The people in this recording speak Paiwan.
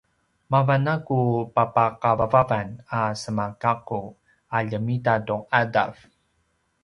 mavan a ku papakavavavan a semagakku a ljemita tu ’adav